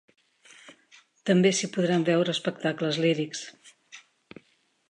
També s’hi podran veure espectacles lírics.